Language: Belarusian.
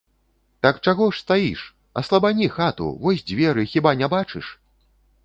Так чаго ж стаіш, аслабані хату, вось дзверы, хіба не бачыш?